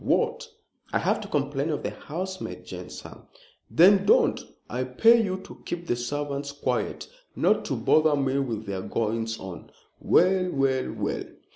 What?" "I have to complain of the housemaid Jane, sir." "Then don't. I pay you to keep the servants quiet, not to bother me with their goings on. Well! well! well!"